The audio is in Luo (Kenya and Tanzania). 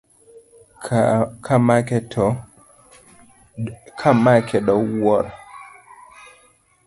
Kamake do wuoro.